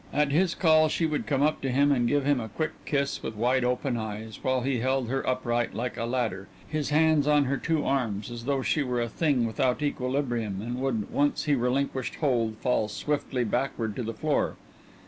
At his call she would come up to him and give him a quick kiss with wide open eyes, while he held her upright like a ladder, his hands on her two arms, as though she were a thing without equilibrium, and would, once he relinquished hold, fall stiffly backward to the floor.